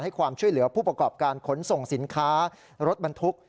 ความช่วยเหลือผู้ประกอบการขนส่งสินค้ารถบรรทุก